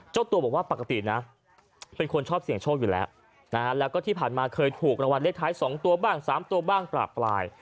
เจ้าตัวบอกว่าปกตินะเป็นคนชอบเสี่ยงโชคอยู่แล้วนะฮะแล้วก็ที่ผ่านมาเคยถูกรางวัลเลขท้าย๒ตัวบ้าง๓ตัวบ้างปลาปลาย